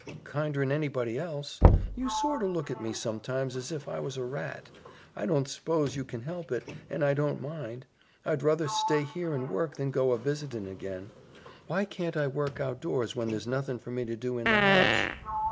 "Kinder'n anybody else. You sorter look at me sometimes as if I was a rat. I don't s'pose you can help it, and I don't mind. I'd ruther stay here and work than go a visitin' again. Why can't I work outdoors when there's nothin' for me to do in the house?"